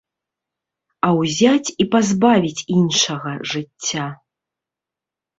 А ўзяць і пазбавіць іншага жыцця.